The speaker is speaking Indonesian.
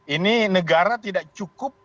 ini negara tidak cukup